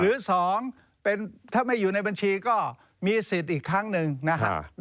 หรือ๒ถ้าไม่อยู่ในบัญชีก็มีสิทธิ์อีกครั้งหนึ่งนะครับ